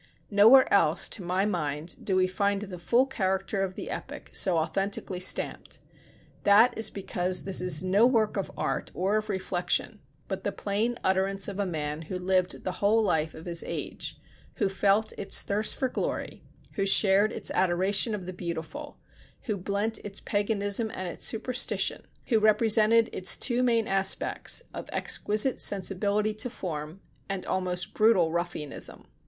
Nowhere else, to my mind, do we find the full character of the epoch so authentically stamped. That is because this is no work of art or of reflection, but the plain utterance of a man who lived the whole life of his age, who felt its thirst for glory, who shared its adoration of the beautiful, who blent its paganism and its superstition, who represented its two main aspects of exquisite sensibility to form and almost brutal ruffianism.